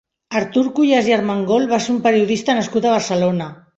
Artur Cuyàs i Armengol va ser un periodista nascut a Barcelona.